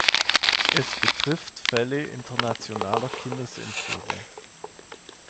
Es betrifft Fälle Internationaler Kindesentführung.